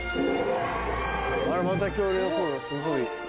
また恐竜の声がすごい。